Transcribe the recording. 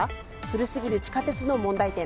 古すぎる地下鉄の問題点。